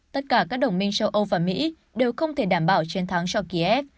tất cả các đồng minh châu âu và mỹ đều không thể đảm bảo chiến thắng cho kiev